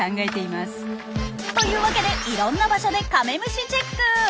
というわけでいろんな場所でカメムシ・チェック！